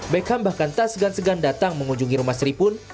beckham bahkan tak segan segan datang mengunjungi rumah sri pun